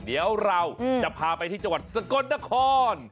เดี๋ยวเราจะพาไปที่จังหวัดสกลนคร